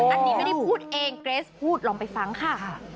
อันนี้ไม่ได้พูดเองเกรสพูดลองไปฟังค่ะ